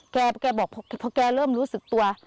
แกบอกพอแกเริ่มรู้สึกตัว